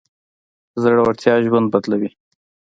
زړورتيا ژوند بدلوي.